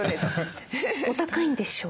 お高いんでしょう？